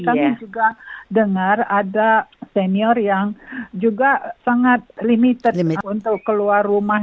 kami juga dengar ada senior yang juga sangat limited untuk keluar rumah